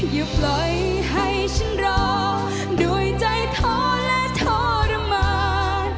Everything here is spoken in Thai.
อย่าปล่อยให้ฉันรอด้วยใจท้อและทรมาน